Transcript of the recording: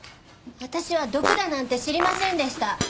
私は毒だなんて知りませんでした。